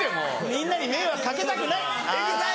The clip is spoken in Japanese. みんなに迷惑掛けたくない。